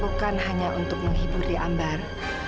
bukan hanya untuk menghibur d'ambar